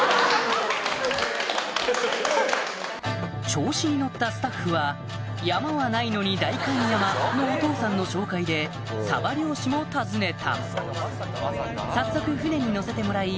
調子に乗ったスタッフはのお父さんの紹介でサバ漁師も訪ねた早速船に乗せてもらい